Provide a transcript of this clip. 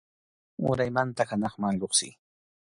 Uraymanta hanaqman lluqsiy.